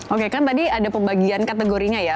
oke kan tadi ada pembagian kategorinya ya